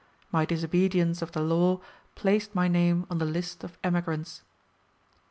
My disobedience of the law placed my name on the list of emigrants.